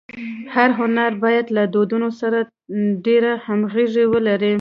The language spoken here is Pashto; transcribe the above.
هر هنر باید له دودونو سره ډېره همږغي ولري.